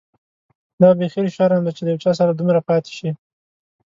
دا بيخي شرم دی چي له یو چا سره دومره پاتې شې.